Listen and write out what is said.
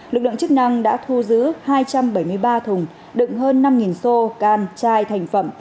lực lượng chức năng đã thu giữ hai trăm bảy mươi ba thùng đựng hơn năm xô can chai thành phẩm